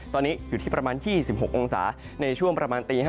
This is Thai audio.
ตอนนี้อยู่ที่ประมาณ๒๖องศาในช่วงประมาณตี๕